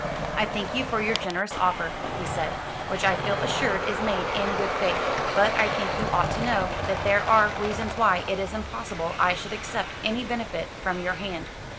"I thank you for your generous offer," he said, "which I feel assured is made in good faith; but I think you ought to know that there are reasons why it is impossible I should accept any benefit from your hand.